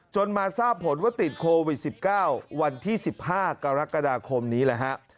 มาทราบผลว่าติดโควิด๑๙วันที่๑๕กรกฎาคมนี้แหละฮะ